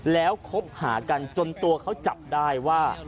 แล้วคบหากันจนตัวเขาจับได้ว่า